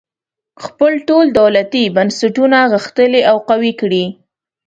خپل ټول دولتي بنسټونه غښتلي او قوي کړي.